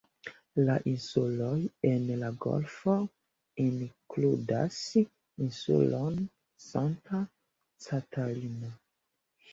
La insuloj en la golfo inkludas insulon Santa Catalina.